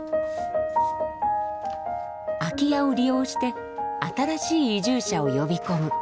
空き家を利用して新しい移住者を呼び込む。